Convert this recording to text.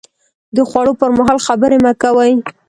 د خوړو پر مهال خبرې مه کوئ